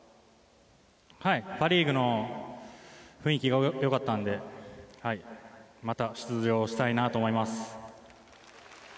パ・リーグの雰囲気がよかったのでまた出場したいなと思います。